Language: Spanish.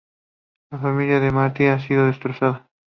La familia de Marty ha sido destrozada.